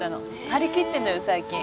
張り切ってんのよ最近。